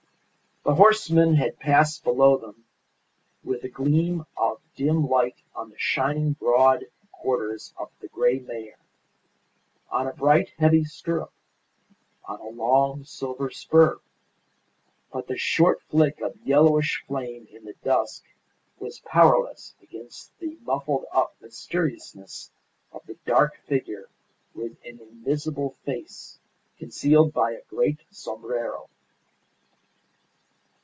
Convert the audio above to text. The horseman had passed below them, with a gleam of dim light on the shining broad quarters of the grey mare, on a bright heavy stirrup, on a long silver spur; but the short flick of yellowish flame in the dusk was powerless against the muffled up mysteriousness of the dark figure with an invisible face concealed by a great sombrero.